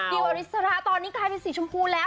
อริสระตอนนี้กลายเป็นสีชมพูแล้ว